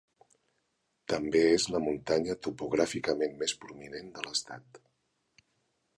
També és la muntanya topogràficament més prominent de l"estat.